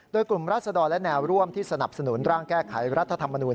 โดยกลุ่มรัศดรและแนวร่วมที่สนับสนุนร่างแก้ไขรัฐธรรมนูล